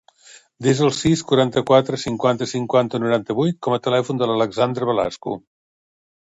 Desa el sis, quaranta-quatre, cinquanta, cinquanta, noranta-vuit com a telèfon de l'Alexandra Velasco.